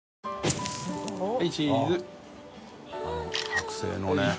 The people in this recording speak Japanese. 剥製のね。